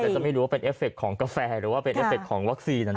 จะไม่รู้ว่าเป็นเอฟเคของกาแฟหรือว่าเป็นเอฟเคของวัคซีน